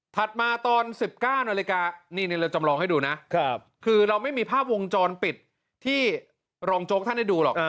มาตอน๑๙นาฬิกานี่เราจำลองให้ดูนะคือเราไม่มีภาพวงจรปิดที่รองโจ๊กท่านได้ดูหรอก